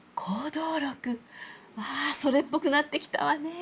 わあそれっぽくなってきたわね。